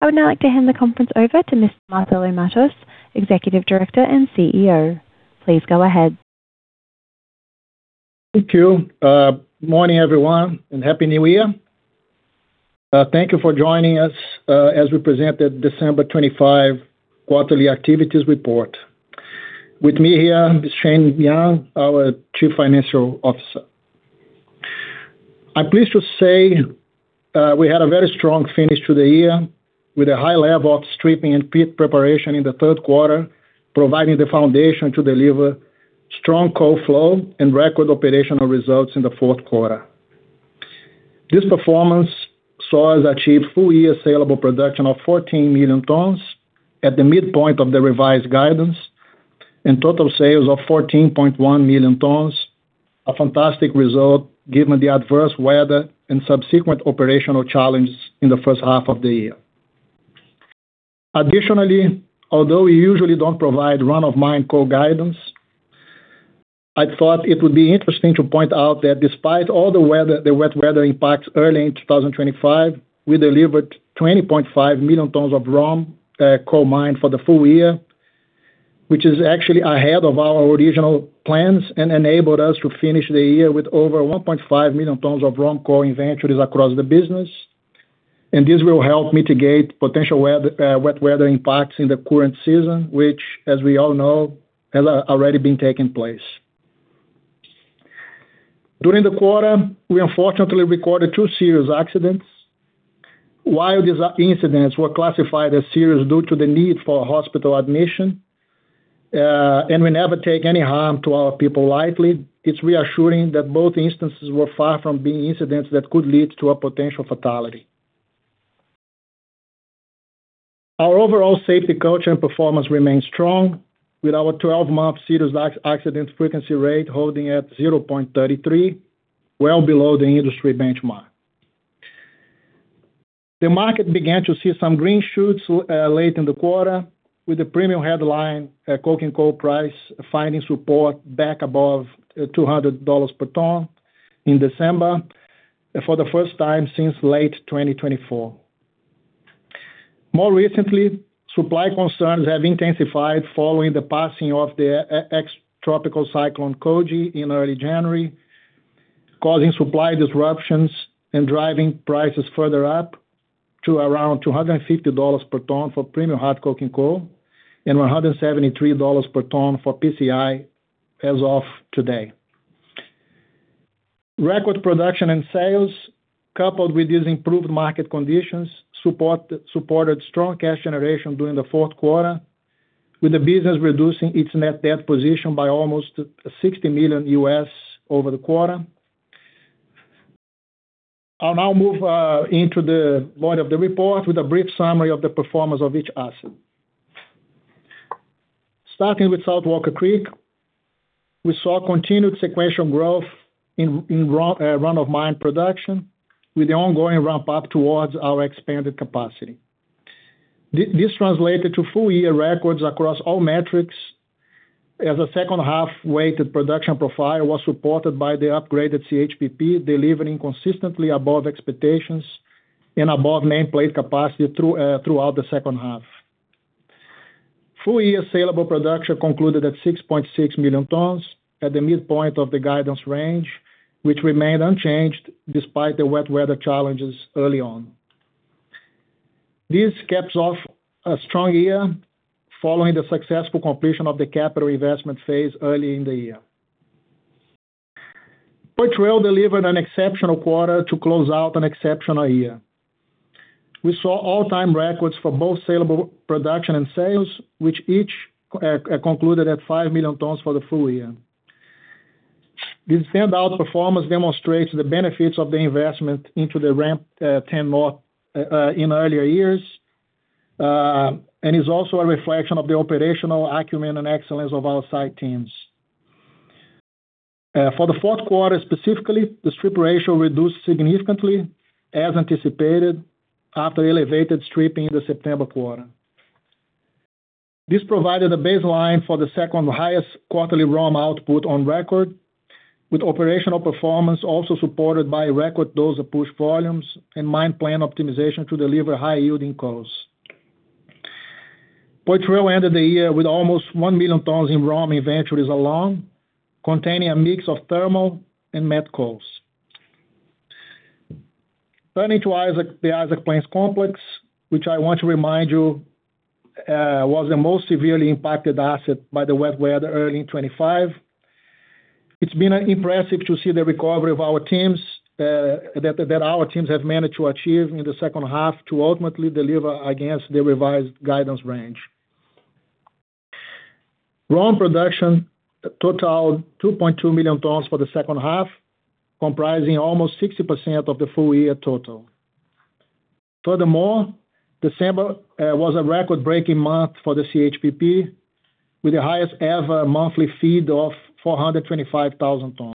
I would now like to hand the conference over to Mr. Marcelo Matos, Executive Director and CEO. Please go ahead. Thank you. Good morning, everyone, and happy New Year. Thank you for joining us, as we present the December 25 quarterly activities report. With me here is Shane Young, our Chief Financial Officer. I'm pleased to say, we had a very strong finish to the year, with a high level of stripping and pit preparation in the third quarter, providing the foundation to deliver strong coal flow and record operational results in the fourth quarter. This performance saw us achieve full year saleable production of 14 million tons at the midpoint of the revised guidance, and total sales of 14.1 million tons. A fantastic result, given the adverse weather and subsequent operational challenges in the first half of the year. Additionally, although we usually don't provide run-of-mine coal guidance, I thought it would be interesting to point out that despite all the wet weather impacts early in 2025, we delivered 20.5 million tons of raw coal mined for the full year, which is actually ahead of our original plans and enabled us to finish the year with over 1.5 million tons of raw coal inventories across the business. And this will help mitigate potential wet weather impacts in the current season, which, as we all know, has already been taking place. During the quarter, we unfortunately recorded two serious accidents. While these accidents were classified as serious due to the need for hospital admission, and we never take any harm to our people lightly, it's reassuring that both instances were far from being incidents that could lead to a potential fatality. Our overall safety culture and performance remains strong, with our twelve-month serious accident frequency rate holding at 0.33, well below the industry benchmark. The market began to see some green shoots, late in the quarter, with the premium hard coking coal price finding support back above $200 per ton in December, for the first time since late 2024. More recently, supply concerns have intensified following the passing of the ex-tropical cyclone Koji in early January, causing supply disruptions and driving prices further up to around $250 per ton for premium hard coking coal and $173 per ton for PCI as of today. Record production and sales, coupled with these improved market conditions, supported strong cash generation during the fourth quarter, with the business reducing its net debt position by almost $60 million over the quarter. I'll now move into the body of the report with a brief summary of the performance of each asset. Starting with South Walker Creek, we saw continued sequential growth in run-of-mine production, with the ongoing ramp-up towards our expanded capacity. This translated to full-year records across all metrics, as a second half-weighted production profile was supported by the upgraded CHPP, delivering consistently above expectations and above nameplate capacity throughout the second half. Full-year saleable production concluded at 6.6 million tons at the midpoint of the guidance range, which remained unchanged despite the wet weather challenges early on. This caps off a strong year following the successful completion of the capital investment phase early in the year. Poitrel delivered an exceptional quarter to close out an exceptional year. We saw all-time records for both saleable production and sales, which each concluded at 5 million tons for the full year. This standout performance demonstrates the benefits of the investment into the Ramp 10 North in earlier years, and is also a reflection of the operational acumen and excellence of our site teams. For the fourth quarter specifically, the strip ratio reduced significantly as anticipated after elevated stripping in the September quarter. This provided a baseline for the second-highest quarterly raw output on record, with operational performance also supported by record dozer push volumes and mine plan optimization to deliver high-yielding costs. Poitrel ended the year with almost 1 million tons in raw inventories alone, containing a mix of thermal and met coals. Turning to Isaac, the Isaac Plains Complex, which I want to remind you, was the most severely impacted asset by the wet weather early in 2025. It's been impressive to see the recovery of our teams that our teams have managed to achieve in the second half to ultimately deliver against the revised guidance range. Raw production totaled 2.2 million tons for the second half, comprising almost 60% of the full year total. Furthermore, December was a record-breaking month for the CHPP, with the highest-ever monthly feed of 425,000 tons.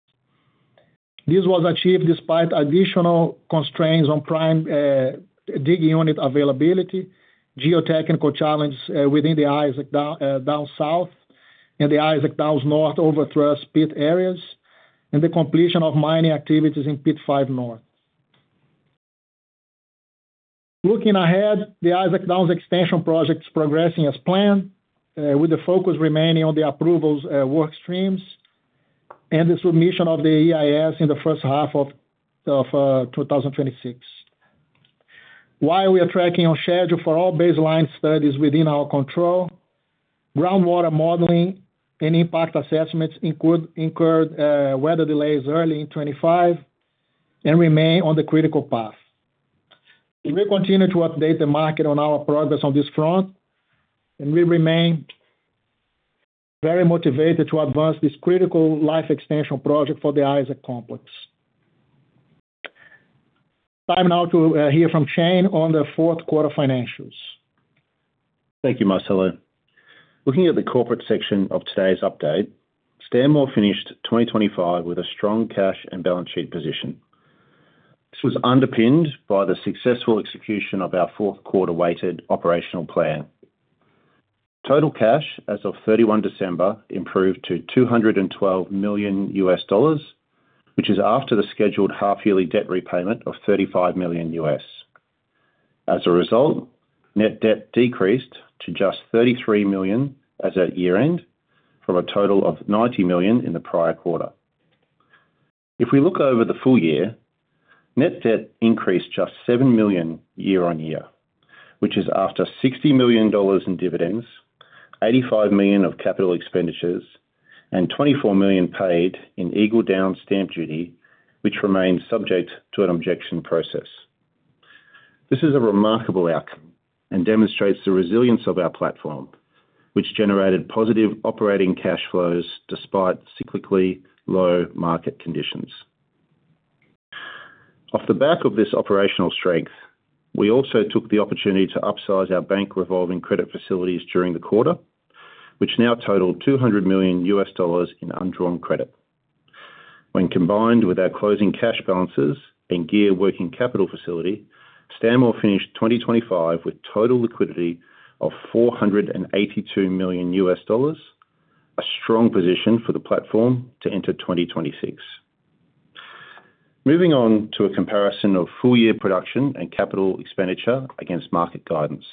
This was achieved despite additional constraints on prime digging unit availability, geotechnical challenges within the Isaac Downs South and the Isaac Downs North overthrust pit areas... and the completion of mining activities in Pit 5 North. Looking ahead, the Isaac Downs Extension project is progressing as planned, with the focus remaining on the approvals, work streams, and the submission of the EIS in the first half of 2026. While we are tracking on schedule for all baseline studies within our control, groundwater modeling and impact assessments incurred weather delays early in 2025, and remain on the critical path. We will continue to update the market on our progress on this front, and we remain very motivated to advance this critical life extension project for the Isaac complex. Time now to hear from Shane on the fourth quarter financials. Thank you, Marcelo. Looking at the corporate section of today's update, Stanmore finished 2025 with a strong cash and balance sheet position. This was underpinned by the successful execution of our fourth quarter weighted operational plan. Total cash as of December 131, improved to $212 million, which is after the scheduled half-yearly debt repayment of $35 million. As a result, net debt decreased to just $33 million as at year-end, from a total of $90 million in the prior quarter. If we look over the full year, net debt increased just $7 million year-on-year, which is after $60 million in dividends, $85 million of capital expenditures, and $24 million paid in Eagle Downs stamp duty, which remains subject to an objection process. This is a remarkable outcome and demonstrates the resilience of our platform, which generated positive operating cash flows despite cyclically low market conditions. Off the back of this operational strength, we also took the opportunity to upsize our bank revolving credit facilities during the quarter, which now total $200 million in undrawn credit. When combined with our closing cash balances and our working capital facility, Stanmore finished 2025 with total liquidity of $482 million, a strong position for the platform to enter 2026. Moving on to a comparison of full-year production and capital expenditure against market guidance.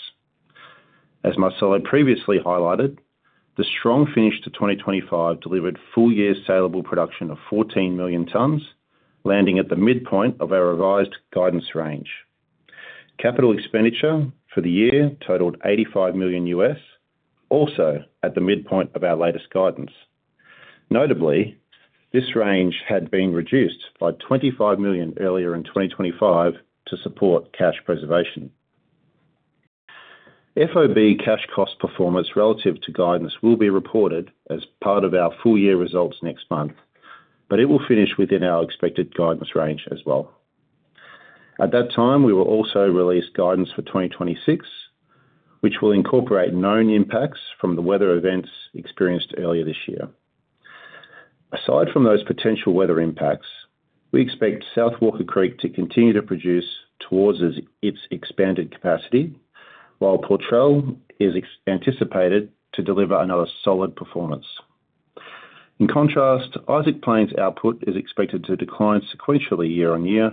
As Marcelo previously highlighted, the strong finish to 2025 delivered full-year saleable production of 14 million tons, landing at the midpoint of our revised guidance range. Capital expenditure for the year totaled $85 million, also at the midpoint of our latest guidance. Notably, this range had been reduced by $25 million earlier in 2025 to support cash preservation. FOB cash cost performance relative to guidance will be reported as part of our full year results next month, but it will finish within our expected guidance range as well. At that time, we will also release guidance for 2026, which will incorporate known impacts from the weather events experienced earlier this year. Aside from those potential weather impacts, we expect South Walker Creek to continue to produce towards its expanded capacity, while Poitrel is expected to deliver another solid performance. In contrast, Isaac Plains output is expected to decline sequentially year-on-year,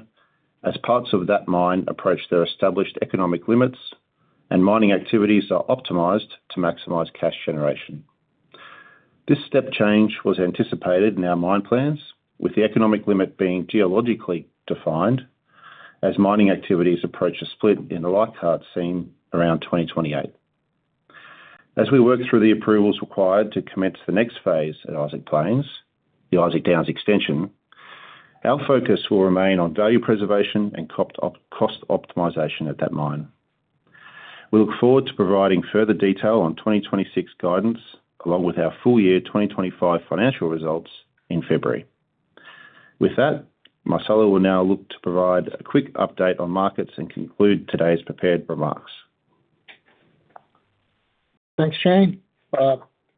as parts of that mine approach their established economic limits and mining activities are optimized to maximize cash generation. This step change was anticipated in our mine plans, with the economic limit being geologically defined as mining activities approach a split in the Leichhardt Seam around 2028. As we work through the approvals required to commence the next phase at Isaac Plains, the Isaac Downs extension, our focus will remain on value preservation and cost optimization at that mine. We look forward to providing further detail on 2026 guidance, along with our full year 2025 financial results in February. With that, Marcelo will now look to provide a quick update on markets and conclude today's prepared remarks. Thanks, Shane.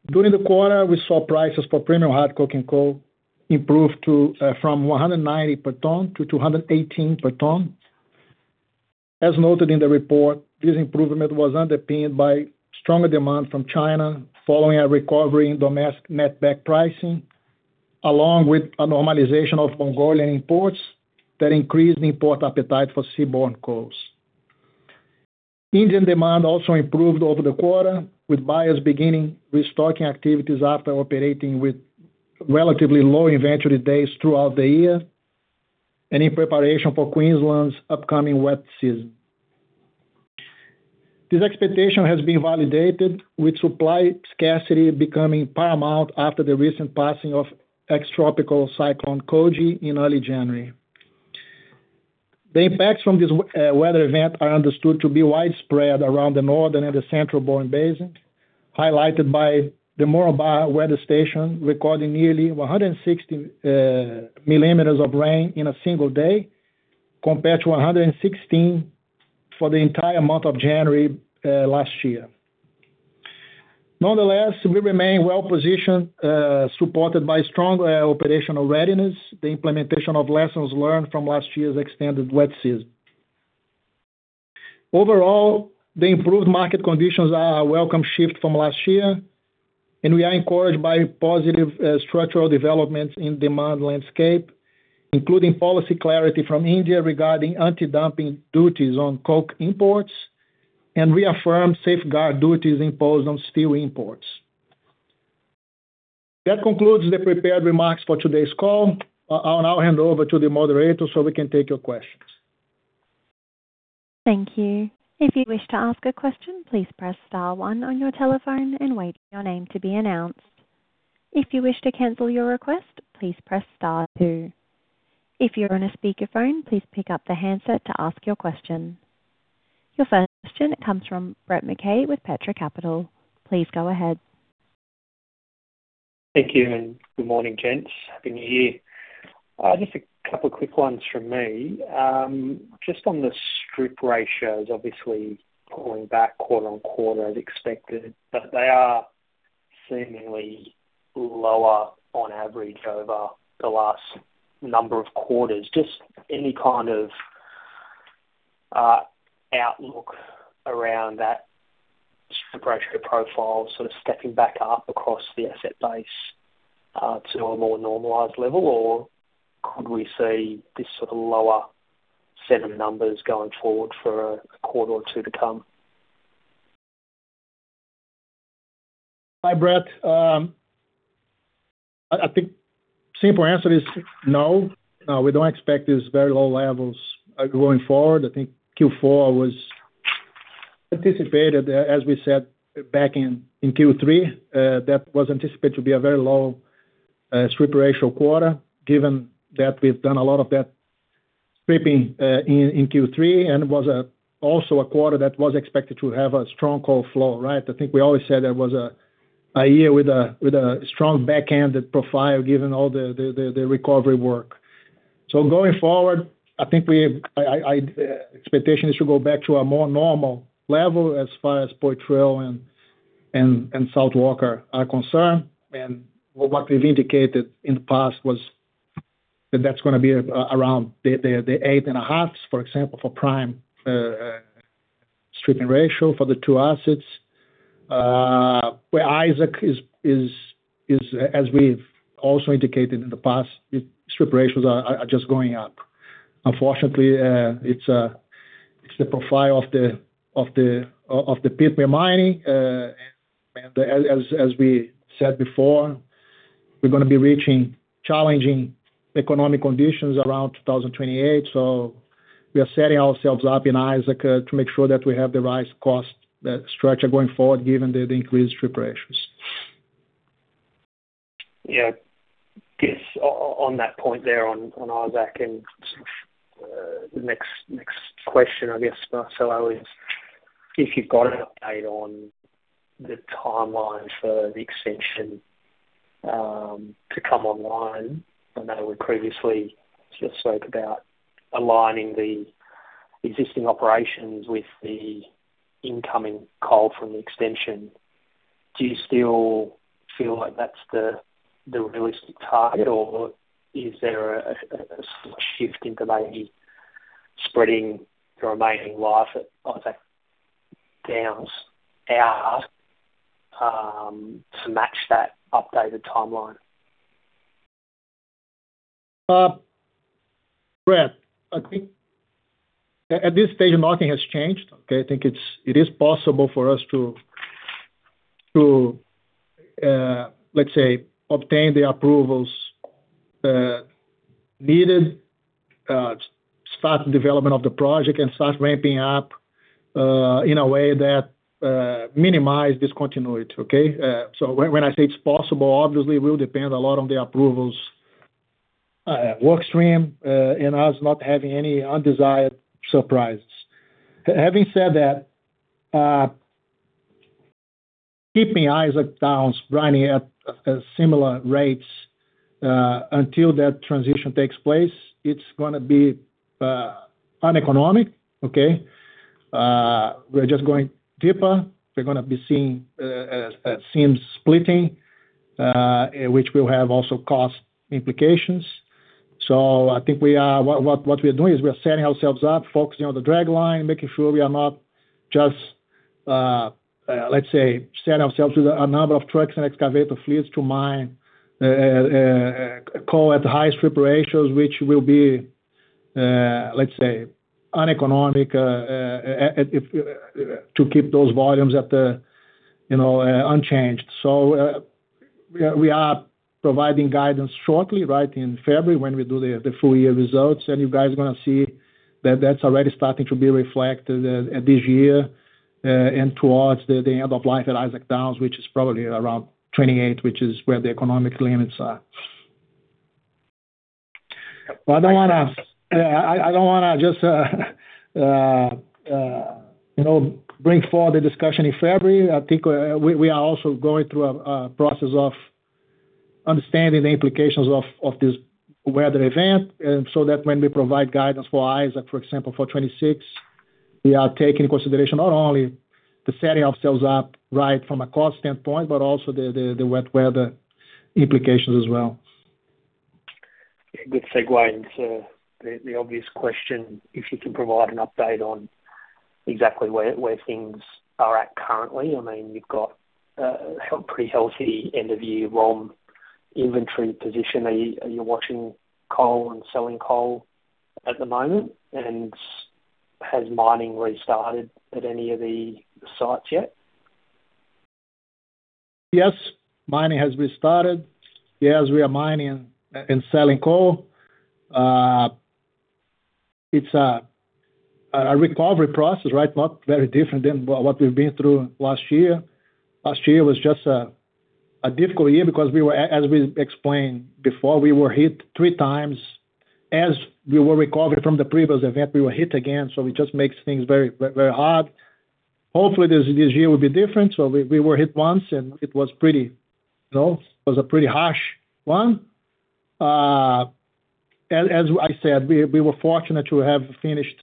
During the quarter, we saw prices for premium coking coal improved to, from $190 per ton to $218 per ton. As noted in the report, this improvement was underpinned by stronger demand from China, following a recovery in domestic netback pricing, along with a normalization of Mongolian imports that increased the import appetite for seaborne coals. Indian demand also improved over the quarter, with buyers beginning restocking activities after operating with relatively low inventory days throughout the year, and in preparation for Queensland's upcoming wet season. This expectation has been validated, with supply scarcity becoming paramount after the recent passing of ex-tropical Cyclone Koji in early January. The impacts from this weather event are understood to be widespread around the Northern and the Central Bowen Basin, highlighted by the Moranbah weather station, recording nearly 160 millimeters of rain in a single day, compared to 116 for the entire month of January last year. Nonetheless, we remain well-positioned, supported by strong operational readiness, the implementation of lessons learned from last year's extended wet season. Overall, the improved market conditions are a welcome shift from last year, and we are encouraged by positive structural developments in demand landscape, including policy clarity from India regarding anti-dumping duties on coke imports and reaffirmed safeguard duties imposed on steel imports. That concludes the prepared remarks for today's call. I'll now hand over to the moderator so we can take your questions. Thank you. If you wish to ask a question, please press star one on your telephone and wait for your name to be announced. If you wish to cancel your request, please press star two. If you're on a speakerphone, please pick up the handset to ask your question. Your first question comes from Brett McKay with Petra Capital. Please go ahead. Thank you, and good morning, gents. Happy New Year! Just a couple quick ones from me. Just on the strip ratios, obviously pulling back quarter-over-quarter as expected, but they are seemingly lower on average over the last number of quarters. Just any kind of outlook around that strip ratio profile, sort of stepping back up across the asset base, to a more normalized level? Or could we see this sort of lower set of numbers going forward for a quarter or two to come? Hi, Brett. I think simple answer is no. We don't expect these very low levels going forward. I think Q4 was anticipated, as we said, back in Q3, that was anticipated to be a very low strip ratio quarter, given that we've done a lot of that stripping in Q3 and was also a quarter that was expected to have a strong coal flow, right? I think we always said that was a year with a strong back-ended profile, given all the recovery work. So going forward, I think expectation is to go back to a more normal level as far as Poitrel and South Walker are concerned. And what we've indicated in the past was that that's gonna be around the 8.5, for example, for prime strip ratio for the two assets. Where Isaac is as we've also indicated in the past, strip ratios are just going up. Unfortunately, it's the profile of the pit we're mining, and as we said before, we're gonna be reaching challenging economic conditions around 2028, so we are setting ourselves up in Isaac to make sure that we have the right cost structure going forward, given the increased strip ratios. Yeah. Guess on that point there on Isaac and sort of the next question, I guess, Marcelo, is if you've got an update on the timeline for the extension to come online. I know we previously just spoke about aligning the existing operations with the incoming coal from the extension. Do you still feel like that's the realistic target, or is there a sort of shift into maybe spreading the remaining life at Isaac Downs out to match that updated timeline? Brett, I think at this stage, nothing has changed. Okay, I think it is possible for us to, let's say, obtain the approvals needed to start the development of the project and start ramping up in a way that minimize discontinuity, okay? So when I say it's possible, obviously will depend a lot on the approvals work stream and us not having any undesired surprises. Having said that, keeping Isaac Downs running at similar rates until that transition takes place, it's gonna be uneconomic, okay? We're just going deeper. We're gonna be seeing seams splitting, which will have also cost implications. So I think we are setting ourselves up, focusing on the dragline, making sure we are not just, let's say, set ourselves with a number of trucks and excavator fleets to mine coal at the highest preparation, which will be, let's say, uneconomic, if to keep those volumes at the, you know, unchanged. So, we are providing guidance shortly, right in February, when we do the full year results, and you guys are gonna see that that's already starting to be reflected at this year, and towards the end of life at Isaac Downs, which is probably around 28, which is where the economic limits are. I don't wanna just, you know, bring forward the discussion in February. I think, we are also going through a process of understanding the implications of this weather event, and so that when we provide guidance for Isaac, for example, for 2026, we are taking consideration not only the setting ourselves up right from a cost standpoint, but also the wet weather implications as well.... A good segue into the obvious question, if you can provide an update on exactly where things are at currently. I mean, you've got a pretty healthy end of year ROM inventory position. Are you washing coal and selling coal at the moment? And has mining restarted at any of the sites yet? Yes, mining has restarted. Yes, we are mining and selling coal. It's a recovery process, right? Not very different than what we've been through last year. Last year was just a difficult year because we were, as we explained before, we were hit three times. As we were recovering from the previous event, we were hit again, so it just makes things very, very, very hard. Hopefully, this year will be different. So we were hit once, and it was pretty, you know, it was a pretty harsh one. As I said, we were fortunate to have finished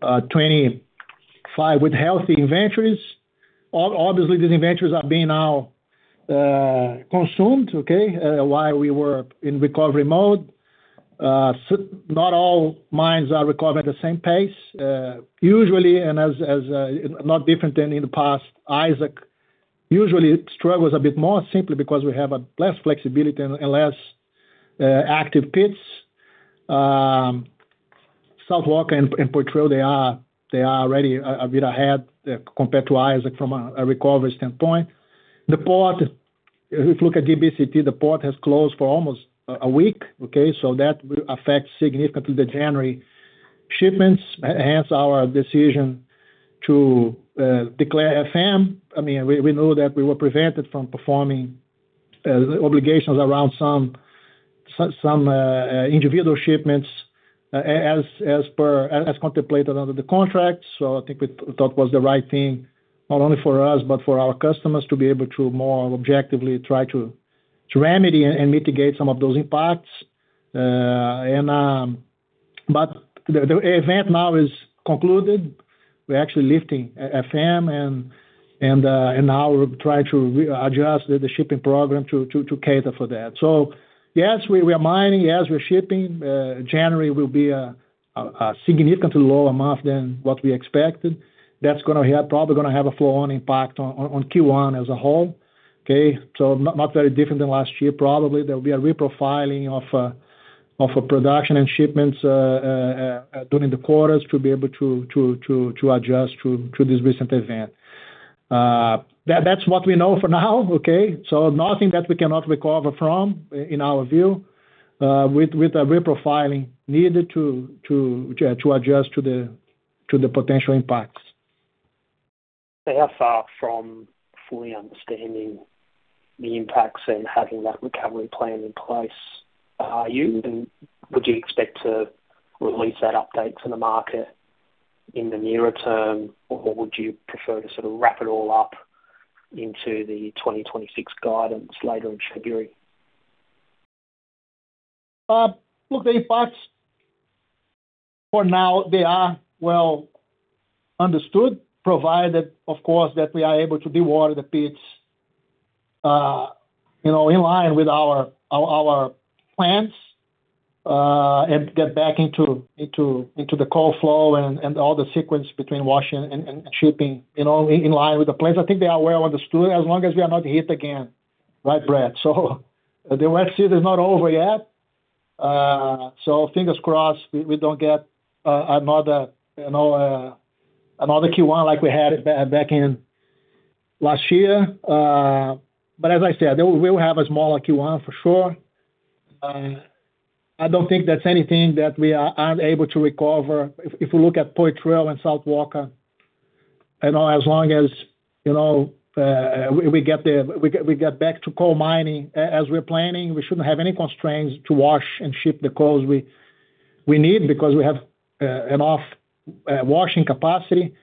25 with healthy inventories. Obviously, these inventories are being now consumed while we were in recovery mode. Not all mines are recovered at the same pace. Usually, and as, as, not different than in the past, Isaac usually struggles a bit more simply because we have a less flexibility and, and less active pits. South Walker and Poitrel, they are already a bit ahead compared to Isaac from a recovery standpoint. The port, if you look at DBCT, the port has closed for almost a week, okay? So that will affect significantly the January shipments, hence our decision to declare FM. I mean, we know that we were prevented from performing obligations around some individual shipments as, as per... As contemplated under the contract. So I think we thought was the right thing, not only for us, but for our customers, to be able to more objectively try to remedy and mitigate some of those impacts. But the event now is concluded. We're actually lifting a FM and now we're trying to readjust the shipping program to cater for that. So yes, we are mining, yes, we're shipping. January will be a significantly lower month than what we expected. That's gonna have probably gonna have a flow-on impact on Q1 as a whole, okay? So not very different than last year. Probably there will be a reprofiling of a production and shipments during the quarters to be able to adjust to this recent event. That's what we know for now, okay? So nothing that we cannot recover from, in our view, with a reprofiling needed to adjust to the potential impacts. How far from fully understanding the impacts and having that recovery plan in place are you? And would you expect to release that update to the market in the nearer term, or would you prefer to sort of wrap it all up into the 2026 guidance later in February? Look, the impacts for now, they are well understood, provided, of course, that we are able to dewater the pits, you know, in line with our plans, and get back into the coal flow and all the sequence between washing and shipping, you know, in line with the plans. I think they are well understood as long as we are not hit again, right, Brad? So the wet season is not over yet. So fingers crossed we don't get another, you know, another Q1 like we had back in last year. But as I said, we will have a smaller Q1 for sure. I don't think that's anything that we are unable to recover. If we look at Poitrel and South Walker, you know, as long as, you know, we get back to coal mining as we're planning, we shouldn't have any constraints to wash and ship the coals we need because we have enough washing capacity.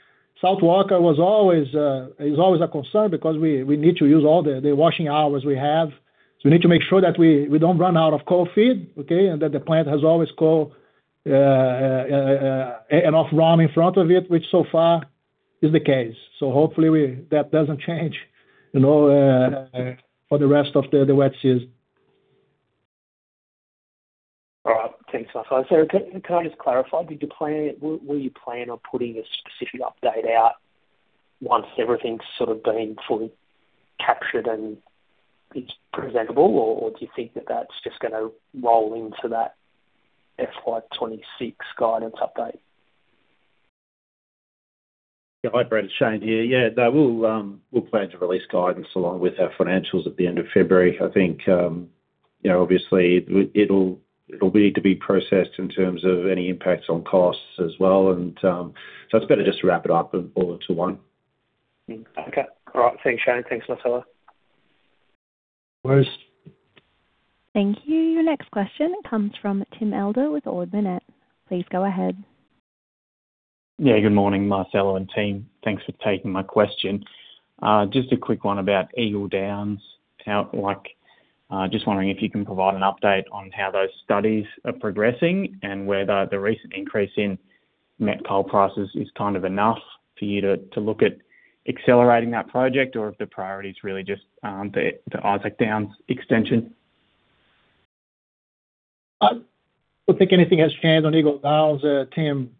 South Walker was always, is always a concern because we need to use all the washing hours we have. So we need to make sure that we don't run out of coal feed, okay? And that the plant has always coal, enough ROM in front of it, which so far is the case. So hopefully that doesn't change, you know, for the rest of the wet season. All right. Thanks, Marcelo. So can I just clarify, were you planning on putting a specific update out once everything's sort of been fully captured and is presentable, or, or do you think that that's just gonna roll into that FY 2026 guidance update? Yeah, hi, Brad. It's Shane here. Yeah, that we'll, we'll plan to release guidance along with our financials at the end of February. I think, you know, obviously it'll, it'll need to be processed in terms of any impacts on costs as well, and, so it's better just to wrap it up all into one. Okay. All right. Thanks, Shane. Thanks, Marcelo. Thanks. Thank you. Your next question comes from Tim Elder with Ord Minnett. Please go ahead. Yeah, good morning, Marcelo and team. Thanks for taking my question. Just a quick one about Eagle Downs. How, like, just wondering if you can provide an update on how those studies are progressing and whether the recent increase in-... net coal prices is kind of enough for you to, to look at accelerating that project, or if the priority is really just, the Isaac Downs extension? I don't think anything has changed on Eagle Downs, Tim.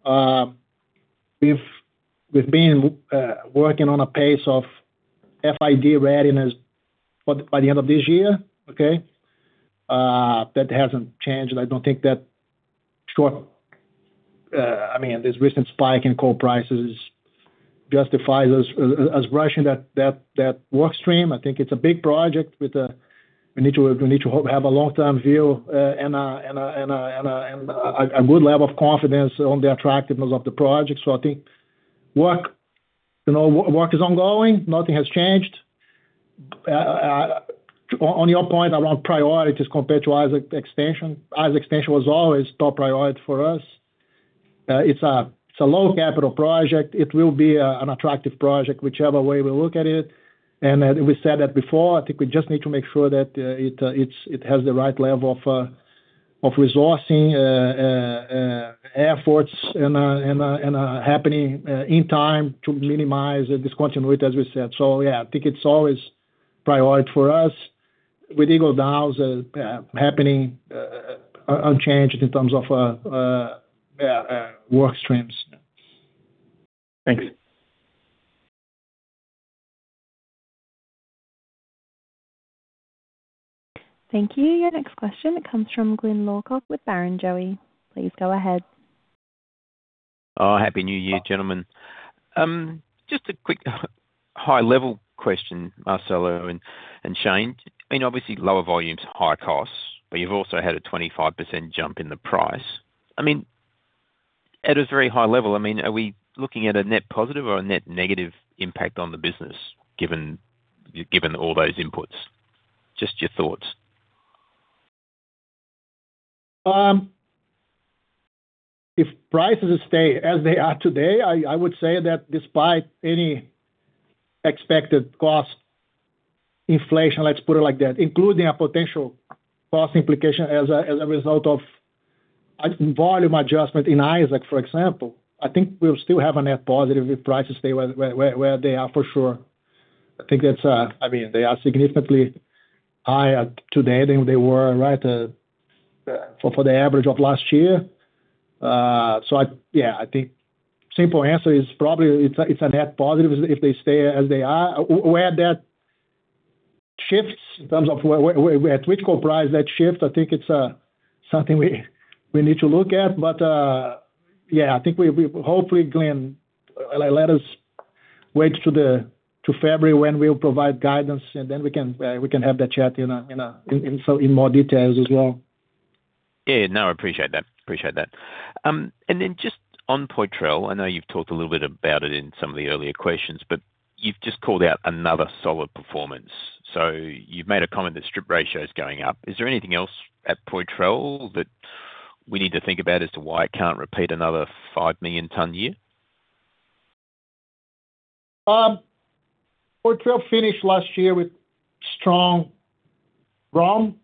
We've been working on a pace of FID readiness by the end of this year, okay? That hasn't changed, and I don't think that short, I mean, this recent spike in coal prices justifies us rushing that work stream. I think it's a big project with, we need to have a long-term view, and a good level of confidence on the attractiveness of the project. So I think, you know, work is ongoing. Nothing has changed. On your point around priorities compared to Isaac extension, Isaac extension was always top priority for us. It's a low capital project. It will be an attractive project whichever way we look at it, and we said that before. I think we just need to make sure that it has the right level of resourcing efforts and happening in time to minimize the discontinuity, as we said. So yeah, I think it's always priority for us. With Eagle Downs happening unchanged in terms of work streams. Thanks. Thank you. Your next question comes from Glyn Lawcock with Barrenjoey. Please go ahead. Oh, Happy New Year, gentlemen. Just a quick, high-level question, Marcelo and Shane. I mean, obviously, lower volumes, higher costs, but you've also had a 25% jump in the price. I mean, at a very high level, I mean, are we looking at a net positive or a net negative impact on the business, given all those inputs? Just your thoughts. If prices stay as they are today, I would say that despite any expected cost inflation, let's put it like that, including a potential cost implication as a result of a volume adjustment in Isaac, for example, I think we'll still have a net positive if prices stay where they are, for sure. I think it's, I mean, they are significantly higher today than they were, right, for the average of last year. So I... Yeah, I think simple answer is probably it's a net positive if they stay as they are. Where that shifts in terms of what coal price that shifts, I think it's something we need to look at. But, yeah, I think we hopefully, Glyn, let us wait to February when we'll provide guidance, and then we can have that chat in more details as well. Yeah, no, I appreciate that. Appreciate that. And then just on Poitrel, I know you've talked a little bit about it in some of the earlier questions, but you've just called out another solid performance. So you've made a comment that strip ratio is going up. Is there anything else at Poitrel that we need to think about as to why it can't repeat another 5 million ton year? Poitrel finished last year with strong run.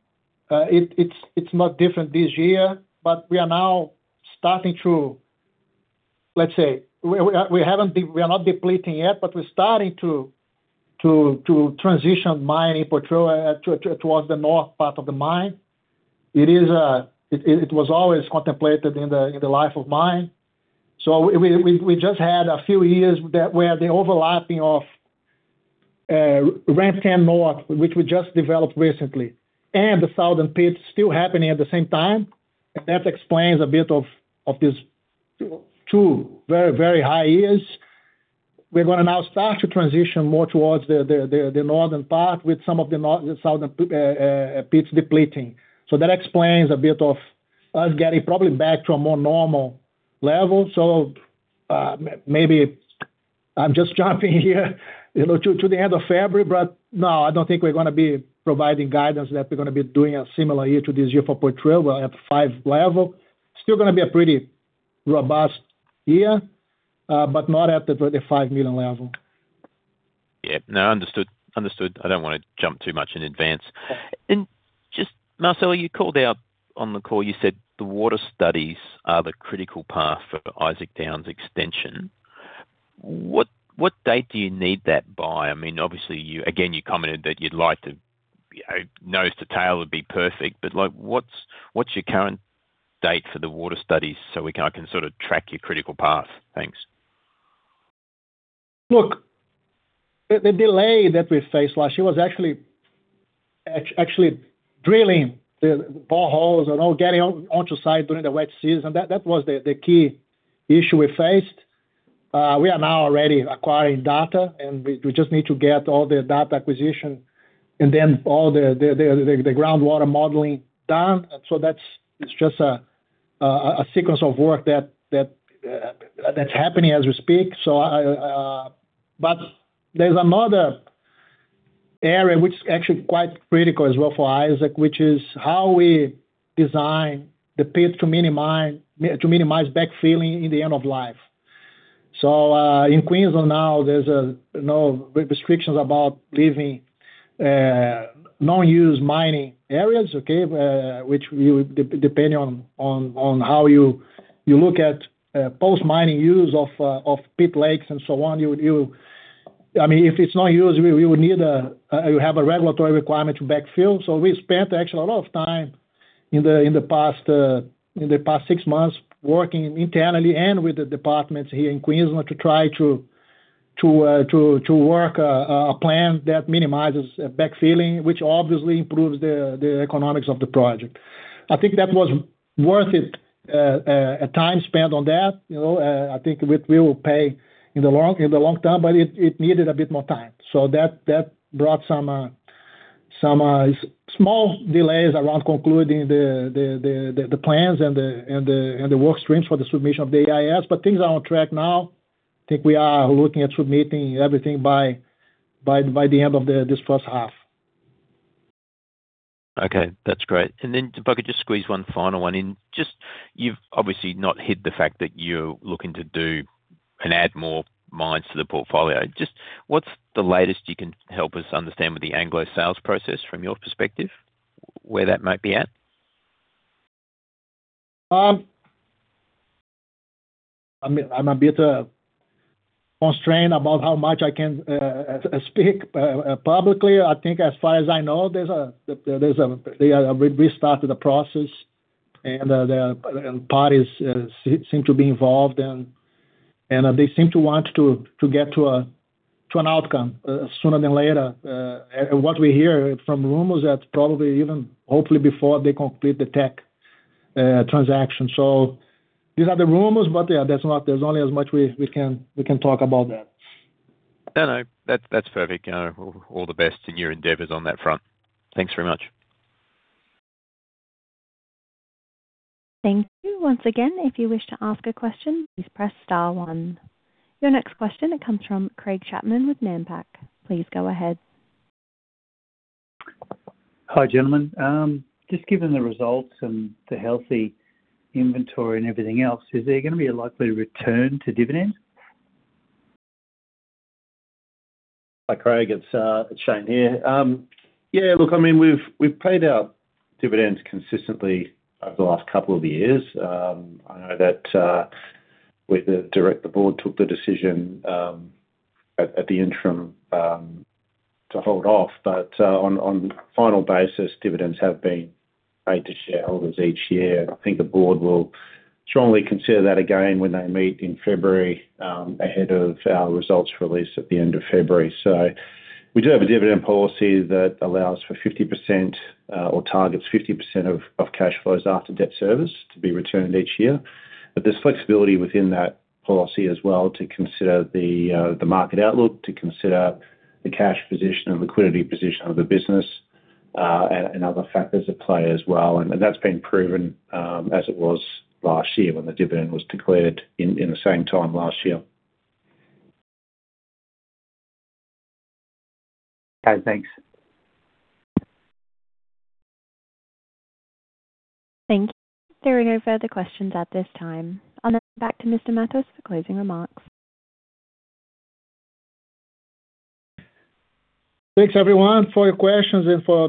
It's not different this year, but we are now starting to... Let's say, we haven't-- we are not depleting yet, but we're starting to transition mining Poitrel towards the north part of the mine. It was always contemplated in the life of mine. So we just had a few years that were the overlapping of Ramp 10 North, which we just developed recently, and the southern pits still happening at the same time. And that explains a bit of this two very, very high years. We're gonna now start to transition more towards the northern part with some of the north, the southern pits depleting. So that explains a bit of us getting probably back to a more normal level. So, maybe I'm just jumping here, you know, to the end of February, but no, I don't think we're gonna be providing guidance, that we're gonna be doing a similar year to this year for Poitrel. We're at 5 level. Still gonna be a pretty robust year, but not at the 5 million level. Yeah. No, understood, understood. I don't wanna jump too much in advance. And just, Marcelo, you called out on the call, you said the water studies are the critical path for Isaac Downs extension. What, what date do you need that by? I mean, obviously, you, again, you commented that you'd like to, nose to tail would be perfect, but, like, what's, what's your current date for the water studies so we can, I can sort of track your critical path? Thanks. Look, the delay that we faced last year was actually drilling the boreholes and all getting onto site during the wet season. That was the key issue we faced. We are now already acquiring data, and we just need to get all the data acquisition and then all the groundwater modeling done. So that's - it's just a sequence of work that's happening as we speak. But there's another area which is actually quite critical as well for Isaac, which is how we design the pit to minimize backfilling in the end of life. So, in Queensland now, there's no restrictions about leaving non-use mining areas, okay? Depending on how you look at post-mining use of pit lakes and so on, you would. I mean, if it's not used, we would need. We have a regulatory requirement to backfill. So we spent actually a lot of time in the past six months working internally and with the departments here in Queensland to try to work a plan that minimizes backfilling, which obviously improves the economics of the project. I think that was worth it, the time spent on that, you know, I think it will pay in the long term, but it needed a bit more time. So that brought some small delays around concluding the plans and the work streams for the submission of the EIS. But things are on track now. I think we are looking at submitting everything by the end of this first half. Okay, that's great. And then if I could just squeeze one final one in. Just, you've obviously not hid the fact that you're looking to do and add more mines to the portfolio. Just what's the latest you can help us understand with the Anglo sales process from your perspective, where that might be at? I'm a bit constrained about how much I can speak publicly. I think as far as I know, we restarted the process, and parties seem to be involved, and they seem to want to get to an outcome sooner than later. And what we hear from rumors that probably even hopefully before they complete the Teck transaction. So these are the rumors, but yeah, there's only as much we can talk about that. No, no, that's, that's perfect. All the best in your endeavors on that front. Thanks very much. Thank you. Once again, if you wish to ask a question, please press star one. Your next question comes from Craig Chapman with Nampac. Please go ahead. Hi, gentlemen. Just given the results and the healthy inventory and everything else, is there gonna be a likely return to dividends? Hi, Craig, it's Shane here. Yeah, look, I mean, we've paid our dividends consistently over the last couple of years. I know that with the directors, the board took the decision at the interim to hold off, but on final basis, dividends have been paid to shareholders each year. I think the board will strongly consider that again when they meet in February ahead of our results release at the end of February. So we do have a dividend policy that allows for 50% or targets 50% of cash flows after debt service to be returned each year. But there's flexibility within that policy as well to consider the market outlook, to consider the cash position and liquidity position of the business, and other factors at play as well. And that's been proven, as it was last year when the dividend was declared in the same time last year. Okay, thanks. Thank you. There are no further questions at this time. I'll now back to Mr. Matos for closing remarks. Thanks, everyone, for your questions and for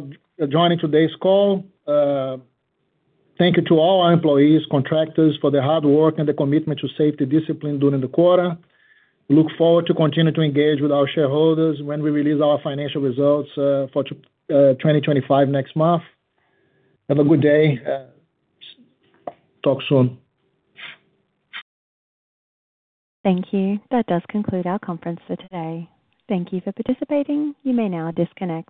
joining today's call. Thank you to all our employees, contractors, for their hard work and the commitment to safety discipline during the quarter. Look forward to continuing to engage with our shareholders when we release our financial results for 2025 next month. Have a good day. Talk soon. Thank you. That does conclude our conference for today. Thank you for participating. You may now disconnect.